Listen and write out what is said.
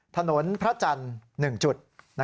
ถนนพระจันทร์๑จุด